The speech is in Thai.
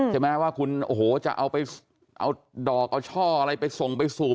ใช่ไหมว่าคุณโอ้โหจะเอาไปเอาดอกเอาช่ออะไรไปส่งไปสู่